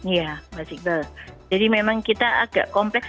iya mbak sikbel jadi memang kita agak kompleks